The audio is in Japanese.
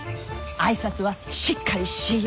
挨拶はしっかりしいよ！